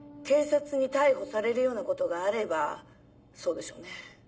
警察に逮捕されるようなことがあればそうでしょうね。